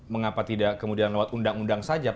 mengapa tidak kemudian lewat undang undang saja